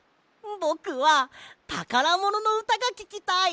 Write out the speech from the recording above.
ぼくはたからもののうたがききたい！